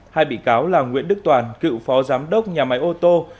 hai bị cáo là nguyễn đức toàn cựu phó giám đốc nhà máy ô tô